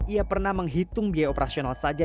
ia pernah menghitung biaya operasional saja